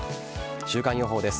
週間予報です。